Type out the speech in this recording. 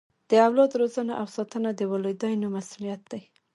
د اولاد روزنه او ساتنه د والدینو مسؤلیت دی.